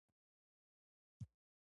د دیني توجیه په مرسته وینه تویول.